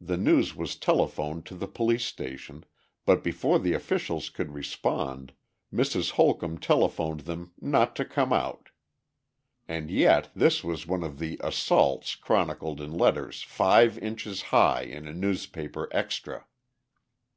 The news was telephoned to the police station, but before the officials could respond, Mrs. Holcombe telephoned them not to come out. And yet this was one of the "assaults" chronicled in letters five inches high in a newspaper extra.